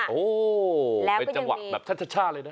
โอ้เป็นจังหวะแบบช่าช่าเลยนะ